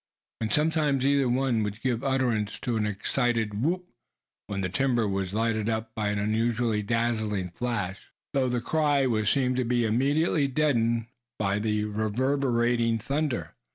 And sometimes either one would give utterance to an excited whoop when the timber was lighted up by an unusually dazzling flash, though the cry was sure to be immediately deadened by the reverberating thunder.